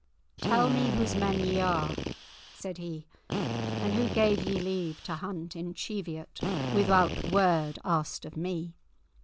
"Tell me whose men ye are," said he, "and who gave ye leave to hunt in Cheviot without word asked of me?"